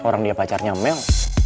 orang dia pacarnya mel